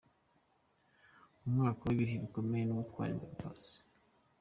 umwaka w’ibihe bikomeye n’ubutwari bwa Paccy .